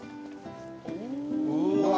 うわ。